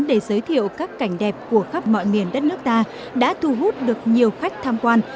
để giới thiệu các cảnh đẹp của khắp mọi miền đất nước ta đã thu hút được nhiều khách tham quan